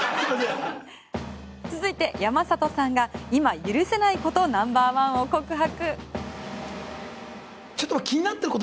続いて山里さんが今許せないことナンバーワンを告白。